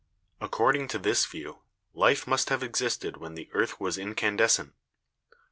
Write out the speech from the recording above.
According to this view, life must have existed when the earth was in candescent.